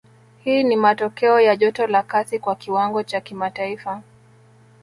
Hii ni matokeo ya joto la kasi kwa kiwango cha kimataifa